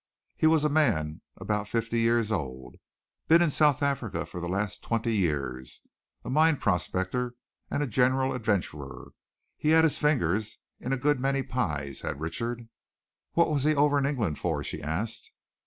He was a man about fifty years old, been in South Africa for the last twenty years, a mine prospector and general adventurer. He'd had his fingers in a good many pies, had Richard." "What was he over in England for?" she asked.